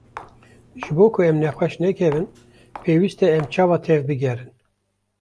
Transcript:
Ji bo ku em nexweş nekevin, pêwîst e em çawa tev bigerin?